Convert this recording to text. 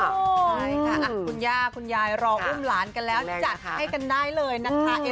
ใช่ค่ะคุณย่าคุณยายรออุ้มหลานกันแล้วจัดให้กันได้เลยนะคะ